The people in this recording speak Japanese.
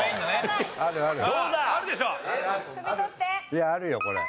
いやあるよこれ。